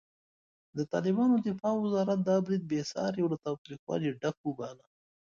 د طالبانو دفاع وزارت دا برید بېساری او له تاوتریخوالي ډک وباله.